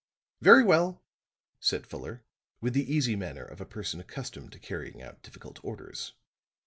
"Very well," said Fuller, with the easy manner of a person accustomed to carrying out difficult orders.